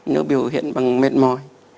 nó biểu hiện bằng mệt mỏi